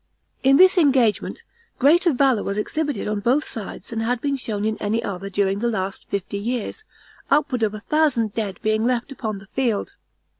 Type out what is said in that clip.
In this engagement, greater valor was exhibited on both sides than had been shown in any other during the last fifty years, upward of a thousand dead being left upon the field.